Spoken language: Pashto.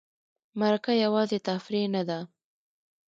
مرکه یوازې تفریح نه ده.